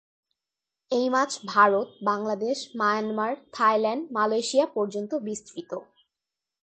এই মাছ Bharat, Bangladesh, Myanmar, Thailand, Malaysia পর্যন্ত বিস্তৃত।